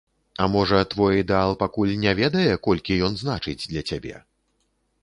А можа, твой ідэал пакуль не ведае, колькі ён значыць для цябе?